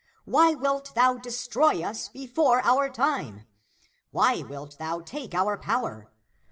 Why wilt thou destroy us before our time? ^ Why wilt thou take our power